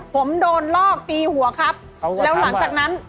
ผมโดนลอกตีหัวครับแล้วหลังจากนั้น